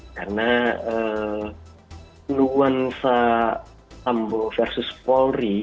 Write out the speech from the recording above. karena nuansa sambo versus polri